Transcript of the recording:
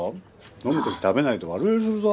飲む時食べないと悪酔いするぞ。